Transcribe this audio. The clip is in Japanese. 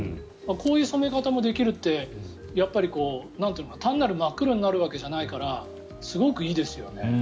こういう染め方もできるってやっぱり単なる真っ黒になるわけじゃないからすごくいいですよね。